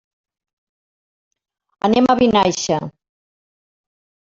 Anem a Vinaixa.